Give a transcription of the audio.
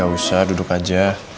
ya usah duduk aja